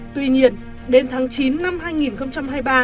tuy nhiên đến tháng chín năm hai nghìn hai mươi ba